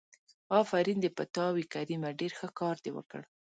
آفرين دې په تا وي کريمه ډېر ښه کار دې وکړ.